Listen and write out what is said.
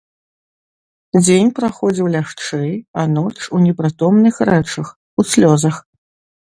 Дзень праходзіў лягчэй, а ноч у непрытомных рэчах, у слёзах.